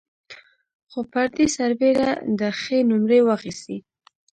خو پر دې سربېره ده ښې نومرې واخيستې.